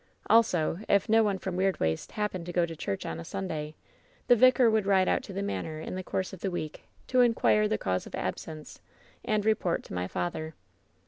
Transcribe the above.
Also, if no one from Weirdwaste hap pened to go to church on a Sunday, the vicar would ride out to the manor in the course of the week to inquire the cause of absence, and report to my father.